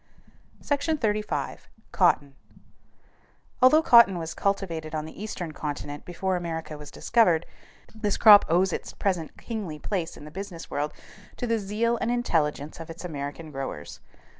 SECTION XXXV. COTTON Although cotton was cultivated on the Eastern continent before America was discovered, this crop owes its present kingly place in the business world to the zeal and intelligence of its American growers.